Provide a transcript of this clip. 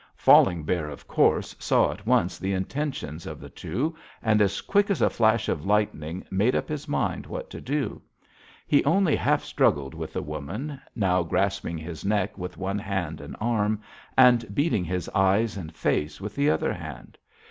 "Falling Bear, of course, saw at once the intentions of the two, and as quick as a flash of lightning made up his mind what to do. He only half struggled with the woman, now grasping his neck with one hand and arm, and beating his eyes and face with the other hand.